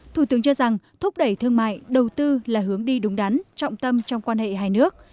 thủ tướng cho rằng thúc đẩy thương mại đầu tư là hướng đi đúng đắn trọng tâm trong quan hệ hai nước